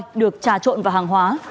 ngà voi được trà trộn vào hàng hóa